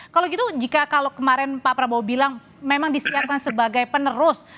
kalau gitu jika kalau kemarin pak prabowo bilang memang disiapkan sebagai penerus